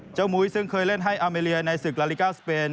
มุ้ยซึ่งเคยเล่นให้อาเมเลียในศึกลาลิกาสเปน